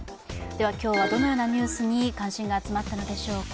今日はどのようなニュースに関心が集まったのでしょうか。